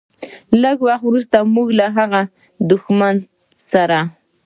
لږ وخت وروسته موږ له هغه دښمن سره.